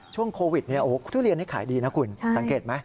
ช่วงโควิดเนี่ยโอ้โหทุเรียนเนี่ยขายดีนะคุณสังเกตไหม